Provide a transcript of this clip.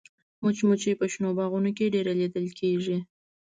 مچمچۍ په شنو باغونو کې ډېره لیدل کېږي